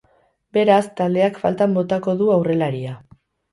Beraz, taldeak faltan botako du aurrelaria.